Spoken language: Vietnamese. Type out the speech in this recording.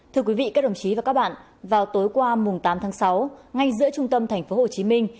thưa quý vị các đồng chí và các bạn vào tối qua mùng tám tháng sáu ngay giữa trung tâm thành phố hồ chí minh